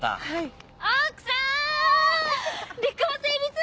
はい。